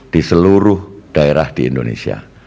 di seluruh daerah di indonesia